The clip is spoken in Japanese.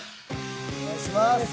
お願いします。